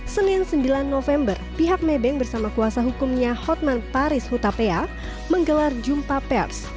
senin sembilan november pihak maybank bersama kuasa hukumnya hotman paris hutapea menggelar jumpa pers